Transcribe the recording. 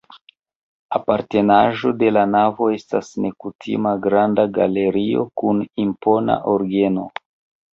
Apartenaĵo de la navo estas nekutima granda galerio kun impona orgeno.